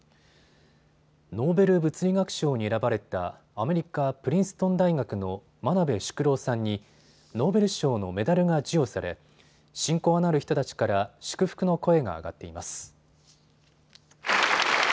ノーベル物理学賞に選ばれたアメリカプリンストン大学の真鍋淑郎さんにノーベル賞のメダルが授与され親交のある人たちから祝福の声が上がっています。